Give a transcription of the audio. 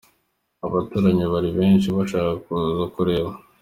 Abaturanyi bari benshi bashaka kuza kureba